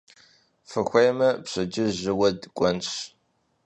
Фыхуеймэ, пщэдджыжь жьыуэ дыкӀуэнщ.